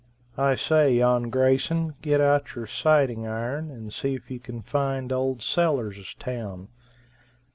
I say, yon Grayson, get out your sighting iron and see if you can find old Sellers' town.